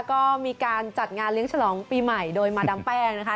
ก็มีการจัดงานเลี้ยงฉลองปีใหม่โดยมาดามแป้งนะคะ